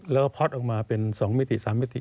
แล้วก็พล็อตออกมาเป็นสองมิติสามมิติ